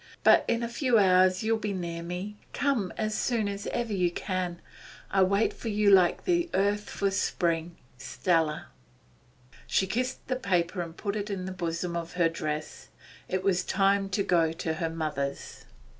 But in a few hours you will be near me. Come as soon as ever you can. I wait for you like the earth for spring. 'STELLA.' She kissed the paper and put it in the bosom of her dress. It was already time to go to her mother's.